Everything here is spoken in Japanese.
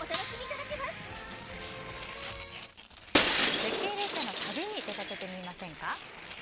絶景列車の旅に出かけてみませんか？